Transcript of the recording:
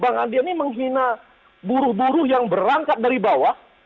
bang andi ini menghina buruh buruh yang berangkat dari bawah